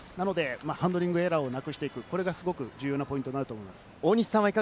ハンドリングエラーをなくしていく、これがすごく重要なポイントだと思います。